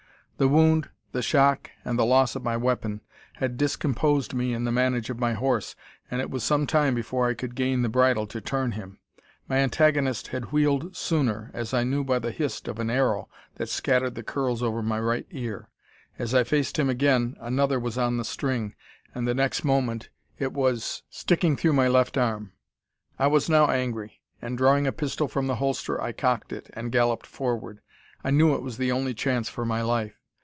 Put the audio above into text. The wound, the shock, and the loss of my weapon, had discomposed me in the manage of my horse, and it was some time before I could gain the bridle to turn him. My antagonist had wheeled sooner, as I knew by the "hist" of an arrow that scattered the curls over my right ear. As I faced him again, another was on the string, and the next moment it was sticking through my left arm. I was now angry; and, drawing a pistol from the holster, I cocked it, and galloped forward. I knew it was the only chance for my life.